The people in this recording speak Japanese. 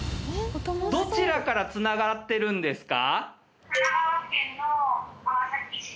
どちらから繋がってるんですか？